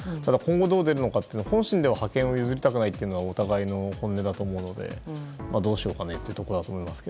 でも、本心としては本心では覇権を譲りたくないのがお互いの本音だと思うのでどうしようかねというところだと思いますね。